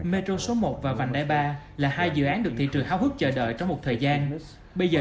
metro số một và vành đai ba là hai dự án được thị trường háo hức chờ đợi trong một thời gian bây giờ